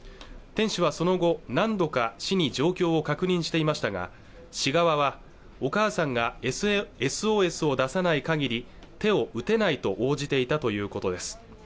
店主はその後何度か市に状況を確認していましたが市側はお母さんがＳＯＳを出さない限り手を打てないと応じていたということです